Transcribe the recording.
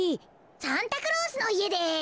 サンタクロースのいえです。